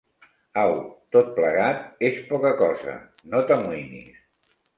Au, tot plegat és poca cosa, no t'amoïnis.